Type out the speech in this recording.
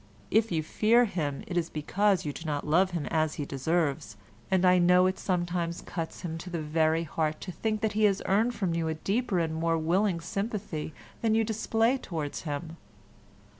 If you fear him it is because you do not love him as he deserves, and I know it sometimes cuts him to the very heart to think that he has earned from you a deeper and more willing sympathy than you display towards him.